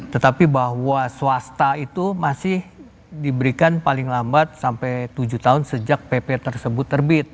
tetapi bahwa swasta itu masih diberikan paling lambat sampai tujuh tahun sejak pp tersebut terbit